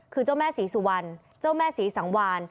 คือเจ้าแม่ศรีสุวรรณเจ้าแม่ศรีสังวาน